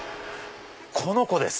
この子です！